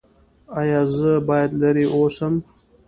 ایا زه باید لرې اوسم؟